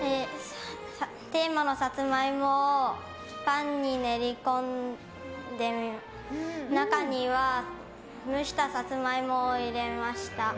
テーマのサツマイモをパンに練り込んで中には蒸したサツマイモを入れました。